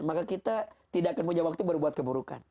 maka kita tidak akan punya waktu berbuat keburukan